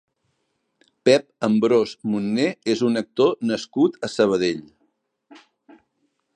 Pep Ambròs Munné és un actor nascut a Sabadell.